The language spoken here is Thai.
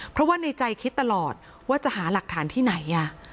เพราะว่าในใจคิดตลอดว่าจะหาหลักฐานที่ไหน